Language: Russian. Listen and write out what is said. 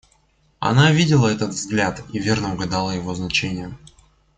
Она видела этот взгляд и верно угадала его значение.